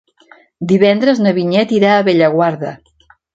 Divendres na Vinyet irà a Bellaguarda.